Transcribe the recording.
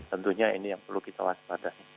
tentunya ini yang perlu kita waspadai